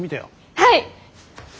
はい！